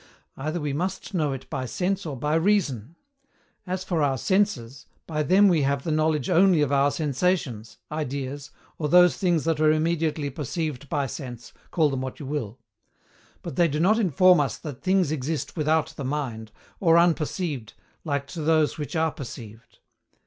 Either we must know it by sense or by reason. As for our senses, by them we have the knowledge ONLY OF OUR SENSATIONS, ideas, or those things that are immediately perceived by sense, call them what you will: but they do not inform us that things exist without the mind, or unperceived, like to those which are perceived.